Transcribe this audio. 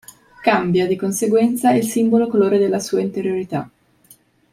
Cambia di conseguenza il simbolo colore della sua interiorità.